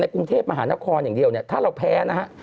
กรุงเทพมหานครอย่างเดียวเนี่ยถ้าเราแพ้นะฮะ